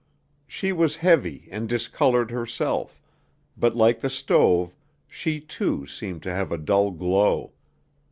She was heavy and discolored herself, but like the stove, she too seemed to have a dull glow.